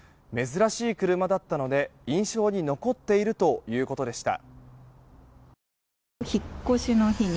珍しい車だったので印象に残っているということでした。